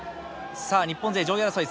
さあ日本勢上位争い